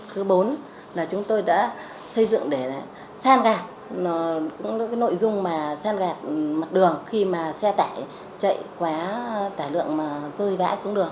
thứ bốn là chúng tôi đã xây dựng để san gạt nội dung mà san gạt mặt đường khi mà xe tải chạy quá tải lượng rơi vãi xuống đường